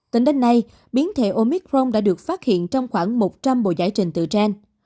tính đến nay biến thể omicron đã được phát hiện trong khoảng một trăm linh bộ giải trình từ trên